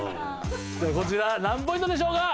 こちら何ポイントでしょうか？